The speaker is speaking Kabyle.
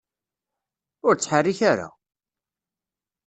Ur ttḥerrik ara!